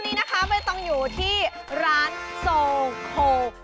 มาแล้วตอนนี้เบ้ตองอยู่ที่ร้านโซลโคร